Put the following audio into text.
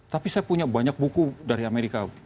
tapi saya punya banyak buku dari amerika